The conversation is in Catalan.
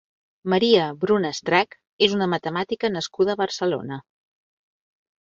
Maria Bruna Estrach és una matemàtica nascuda a Barcelona.